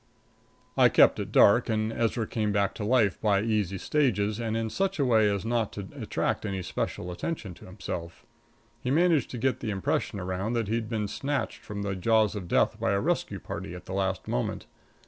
I kept it dark and Ezra came back to life by easy stages and in such a way as not to attract any special attention to himself. He managed to get the impression around that he'd been snatched from the jaws of death by a rescue party at the last moment.